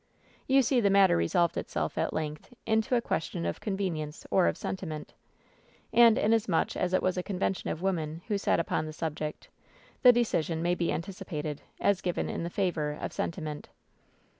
You see the matter resolved itself at length into a question of convenience or of sentiment. And, inasmuch as it was a convention of women who sat upon this sub ject, the decision may be anticipated, as given in the favor of sentiment.